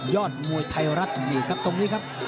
ยอดมวยไทยรัฐนี่ครับตรงนี้ครับ